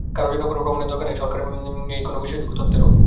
কারও যেন কোনো প্রমাণের দরকার নেই, দরকার নেই কোনো বিশ্বাসযোগ্য তথ্যেরও।